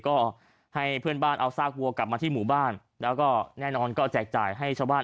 ก็ให้เพื่อนบ้านเอาซากวัวกลับมาที่หมู่บ้านแล้วก็แน่นอนก็แจกจ่ายให้ชาวบ้าน